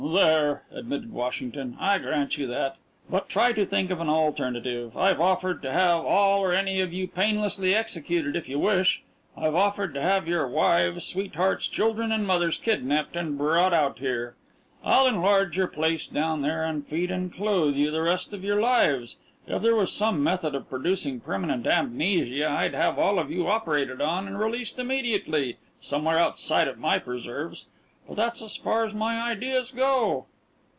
"There," admitted Washington, "I grant you that. But try to think of an alternative. I've offered to have all or any of you painlessly executed if you wish. I've offered to have your wives, sweethearts, children, and mothers kidnapped and brought out here. I'll enlarge your place down there and feed and clothe you the rest of your lives. If there was some method of producing permanent amnesia I'd have all of you operated on and released immediately, somewhere outside of my preserves. But that's as far as my ideas go."